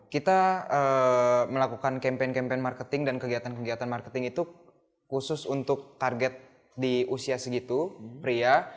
kita melakukan campaign campaign marketing dan kegiatan kegiatan marketing itu khusus untuk target di usia segitu pria